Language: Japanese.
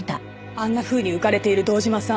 あんなふうに浮かれている堂島さん